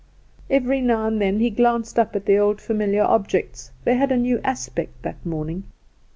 Every now and then he glanced up at the old familiar objects: they had a new aspect that morning.